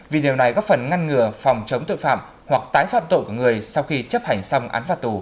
vì điều này góp phần ngăn ngừa phòng chống tội phạm hoặc tái phạm tội của người sau khi chấp hành xong án phạt tù